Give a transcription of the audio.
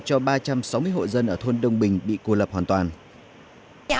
chúng tôi sẽ xử lý liên tục